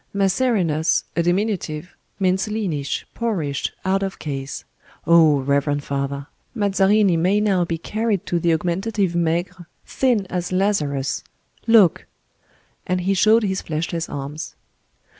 Macerinus, a diminutive, means leanish, poorish, out of case. Oh! reverend father! Mazarini may now be carried to the augmentative Maigre, thin as Lazarus. Look!"—and he showed his fleshless arms.